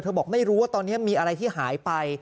บอกไม่รู้ว่าตอนนี้มีอะไรที่หายไป